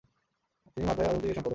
তিনি মাতবাহে আহমদি এর সম্পাদক হন।